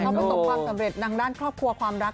เขาประสบความสำเร็จนางด้านครอบครัวความรัก